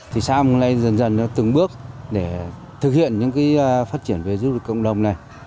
thị xã mờ lây dần dần từng bước để thực hiện những phát triển về du lịch cộng đồng này